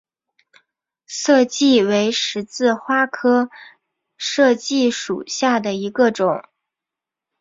涩荠为十字花科涩荠属下的一个种。